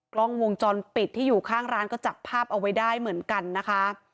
กล้องวงจรปิดที่อยู่ข้างร้านก็จับภาพเอาไว้ได้เหมือนกันนะคะ